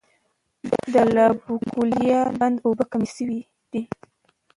د لابوکویلا بند اوبه کمې شوي دي.